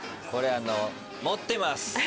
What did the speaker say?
これ持ってます。